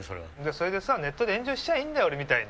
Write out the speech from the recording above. それでさネットで炎上しちゃーいいんだよ俺みたいに！